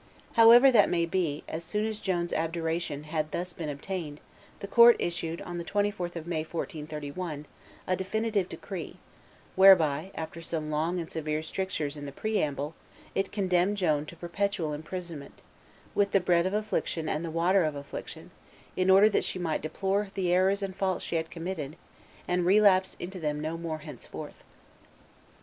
However that may be, as soon as Joan's abjuration had thus been obtained, the court issued on the 24th of May, 1431, a definitive decree, whereby, after some long and severe strictures in the preamble, it condemned Joan to perpetual imprisonment, "with the bread of affliction and the water of affliction, in order that she might deplore the errors and faults she had committed, and relapse into them no more henceforth."